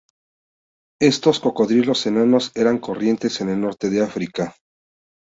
Estos cocodrilos enanos eran corrientes en el norte de África.